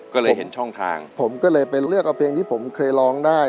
ก็เลยเห็นช่องทางผมก็เลยไปเลือกเอาเพลงที่ผมเคยร้องได้